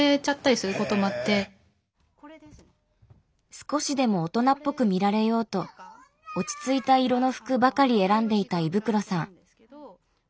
少しでも大人っぽく見られようと落ち着いた色の服ばかり選んでいた衣袋さん。